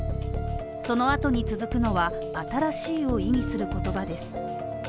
そのあとに続くのは、「新しい」を意味する言葉です。